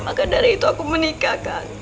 maka dari itu aku menikah kak